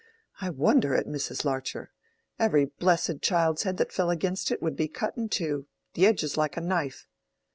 "I wonder at Mrs. Larcher. Every blessed child's head that fell against it would be cut in two. The edge is like a knife."